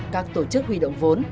các tổ chức huy động vốn